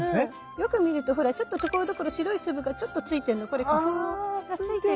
よく見るとほらちょっとところどころ白い粒がちょっとついてんのこれ花粉ついてるんです。